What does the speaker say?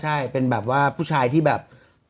ใช่เป็นแบบว่าผู้ชายที่แบบ